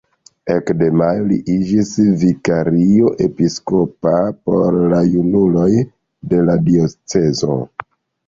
Ekde majo li iĝis vikario episkopa por la junuloj de la diocezo.